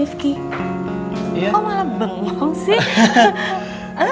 rifki kok malah bengong sih